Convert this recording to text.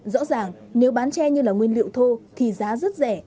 rõ ràng nếu bán tre như là nguyên liệu thô thì giá rất rẻ